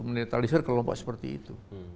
menetralisir kelompok seperti itu